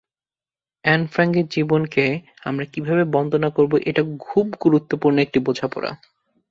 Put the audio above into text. An ফ্রাঙ্কের জীবনকে আমরা কীভাবে বন্দনা করব, এটা খুব গুরুত্বপূর্ণ একটি বোঝাপড়া।